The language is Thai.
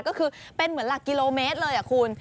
ก็คือเป็นเหมือนหลักกิโลเมตรเลยคุณ